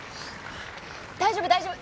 大丈夫大丈夫！